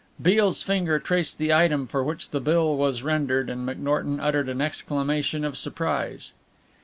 Beale's finger traced the item for which the bill was rendered, and McNorton uttered an exclamation of surprise.